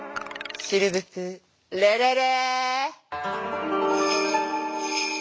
シルヴプレレレ！